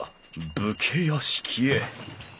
武家屋敷へ。